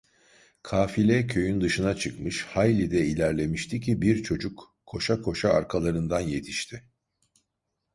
Kafile köyün dışına çıkmış, hayli de ilerlemişti ki, bir çocuk koşa koşa arkalarından yetişti.